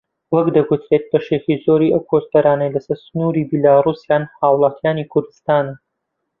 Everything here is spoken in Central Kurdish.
وەک دەگوترێت بەشێکی زۆری ئەو کۆچبەرانەی لەسەر سنووری بیلاڕووسیان هاوڵاتیانی کوردستانن